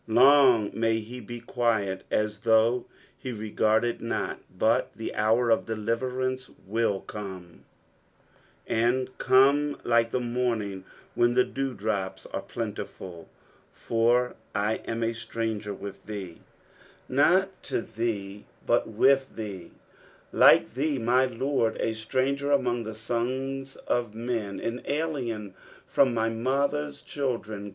Long may he be quiet as though be regarded not. but the hour of deliverance will come, and cnmc like the morning when the dewdrops are plentiful. " For I am a ttranger with thee." Not (o thee, but ailh thee. Like thee, my Lord, a stranger among the sons of men, an alien from my mother's children.